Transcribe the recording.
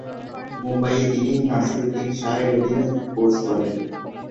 মুম্বাইয়ে তিনি নাসিরুদ্দিন শাহ এর অধীনে একটি কোর্স করেন।